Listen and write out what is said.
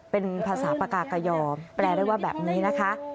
เป็นภาษาปากากยอมแปลได้ว่าแบบนี้นะคะ